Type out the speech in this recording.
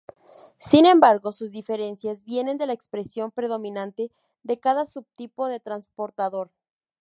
Sin embargo, sus diferencias vienen de la expresión predominante de cada subtipo de transportador.